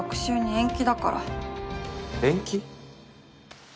延期？